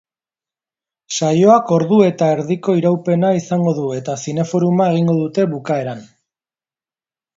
Saioak ordu eta erdiko iraupena izango du eta zineforuma egingo dute bukaeran.